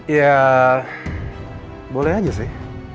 ya boleh aja sih